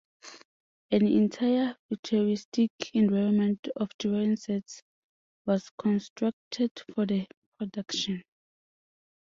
An entire futuristic environment of different sets was constructed for the production.